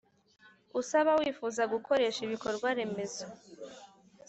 Usaba wifuza gukoresha ibikorwaremezo